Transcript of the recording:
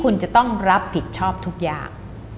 คุณจะต้องรับผิดชอบทุกอย่าง